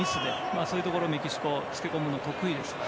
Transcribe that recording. そういうところにメキシコつけ込むのが得意ですから。